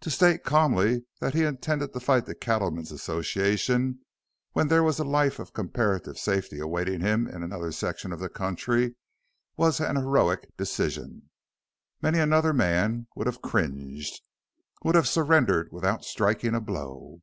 To state calmly that he intended to fight the Cattlemen's Association when there was a life of comparative safety awaiting him in another section of the country was an heroic decision. Many another man would have cringed would have surrendered without striking a blow.